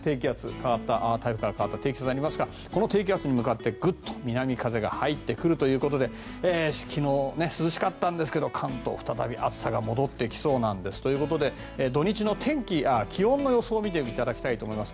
台風から変わった低気圧がありますがこの低気圧に向かってグッと南風が入ってくるということで昨日涼しかったんですが関東再び暑さが戻ってきそうなんですということで土日の気温の予想を見ていただきたいと思います。